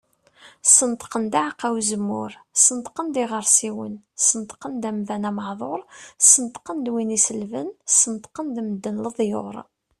Sneṭqen-d aɛeqqa uzemmur, Sneṭqen-d iɣersiwen, Sneṭqen-d amdan ameɛdur, Sneṭqen-d win iselben, Sneṭqen-d medden leḍyur.